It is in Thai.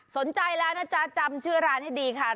สนใจแล้วนะจ๊ะจำชื่อร้านให้ดีค่ะ